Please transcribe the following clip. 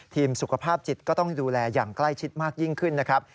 สุขภาพจิตก็ต้องดูแลอย่างใกล้ชิดมากยิ่งขึ้นนะครับ